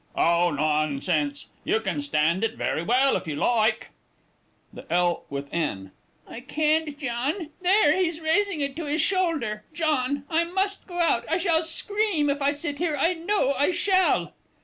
Oh, nonsense! You can stand it very well if you like. THE L. WITH N. I can't, John.... There, he's raising it to his shoulder. John, I must go out. I shall scream if I sit here, I know I shall!